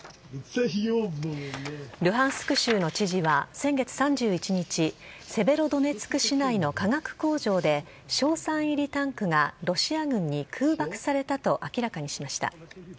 ルハンスク州の知事は先月３１日セベロドネツク市内の化学工場で硝酸入りタンクがロシア軍に空爆されたと明らかにしました。